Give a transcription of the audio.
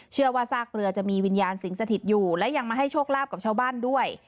ซากเรือจะมีวิญญาณสิงสถิตอยู่และยังมาให้โชคลาภกับชาวบ้านด้วย